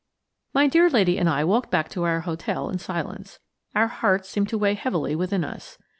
4 MY dear lady and I walked back to our hotel in silence. Our hearts seemed to weigh heavily within us.